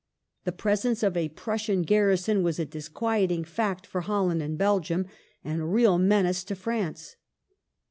The presence of a Prussian garrison was a disquieting fact for Holland and Belgium, and a real menace to France.